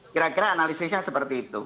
kira kira analisisnya seperti itu